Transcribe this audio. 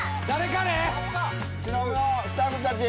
忍のスタッフたち。